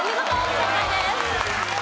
正解です。